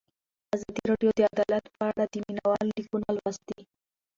ازادي راډیو د عدالت په اړه د مینه والو لیکونه لوستي.